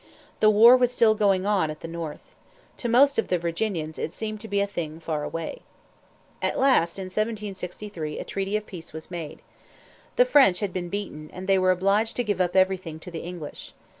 The war was still going on at the north. To most of the Virginians it seemed to be a thing far away. At last, in 1763, a treaty of peace was made. The French had been beaten, and they were obliged to give up everything to the English.